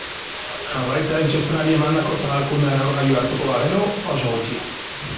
Jaurlaritzaren txostenari emandako zabalkundea neurgailu hartuko bagenu, oso gutxi.